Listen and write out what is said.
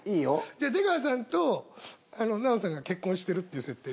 じゃあ出川さんと奈緒さんが結婚してるっていう設定。